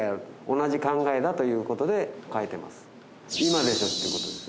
同じ考えだということで書いてます。